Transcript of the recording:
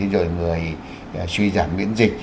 rồi người suy giảm miễn dịch